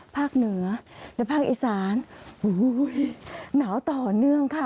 ภาคเหนือและภาคอีสานโอ้โหหนาวต่อเนื่องค่ะ